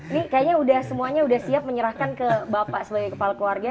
ini kayaknya semuanya sudah siap menyerahkan ke bapak sebagai kepala keluarga